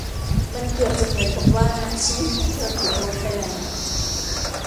มันเกือบจะเหมือนกับว่าชีวิตของเธอถูกลบไปแล้ว